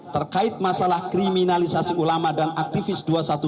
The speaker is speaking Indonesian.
terkait masalah kriminalisasi ulama dan aktivis dua ratus dua belas